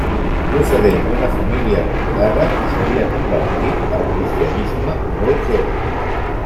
Procedent d'una família acomodada, s'havia convertit al cristianisme molt jove.